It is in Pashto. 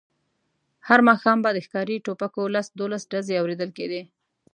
هر ماښام به د ښکاري ټوپکو لس دولس ډزې اورېدل کېدې.